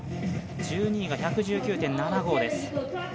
１２位が１１９．７５です。